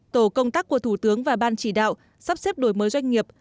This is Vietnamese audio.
tổ công tác của thủ tướng và ban chỉ đạo sắp xếp đổi mới doanh nghiệp